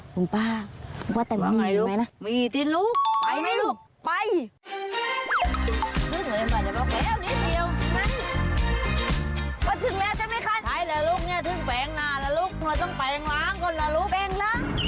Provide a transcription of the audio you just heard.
น้องป๊าน้องป๊าแต่มีอีกไหมล่ะ